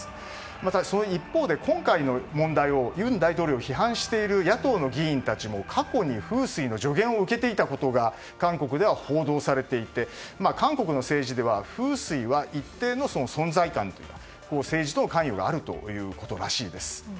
また、一方で今回の問題を尹大統領を批判している野党の議員たちも過去に風水の助言を受けていたことが韓国では報道されていて韓国の政治では風水は一定の存在感政治との関与があるということらしいです。